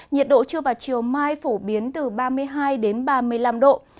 nhiệt độ chưa vào chiều mai phổ biến từ ba mươi hai đến ba mươi năm độ